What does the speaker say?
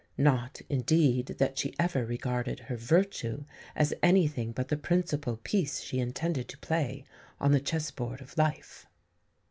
Not, indeed, that she ever regarded her virtue as anything but the principal piece she intended to play on the chessboard of life.